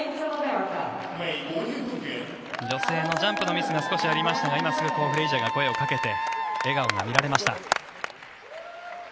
女性のジャンプのミスが少しありましたが今、フレイジャーが声をかけて笑顔が見られました。